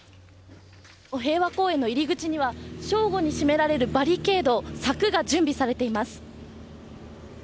平和公園の入り口には正午に締められるバリケード柵が準備されています。